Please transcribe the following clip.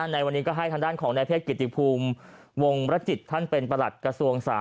ในวันนี้ก็ให้ทางด้านของนายแพทย์กิติภูมิวงรจิตท่านเป็นประหลัดกระทรวงศาส